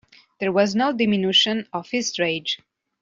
There was no diminution of his rage.